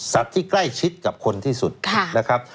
ที่ใกล้ชิดกับคนที่สุดนะครับ